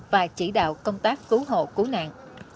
và chỉ đạo công tác cứu hộ cứu nạn